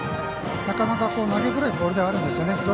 なかなか投げづらいボールではあるんですよね。